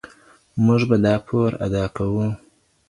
موږ به دا پور ادا کوو.